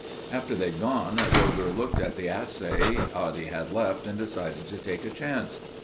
After they'd gone Brougher looked at the assay Oddie had left and decided to take a chance.